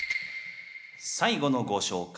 最後のご紹介。